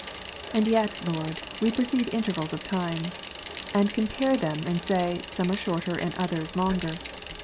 And yet, Lord, we perceive intervals of times, and compare them, and say, some are shorter, and others longer.